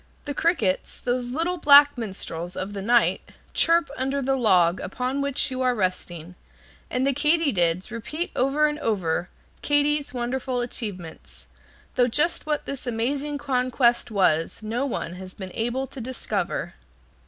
[Illustration: THE WITCHERY OF MOONLIGHT] The crickets, those little black minstrels of the night, chirp under the log upon which you are resting, and the katydids repeat over and over again "Katy's" wonderful achievement, though just what this amazing conquest was no one has been able to discover.